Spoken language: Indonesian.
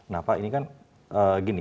nah pak ini kan gini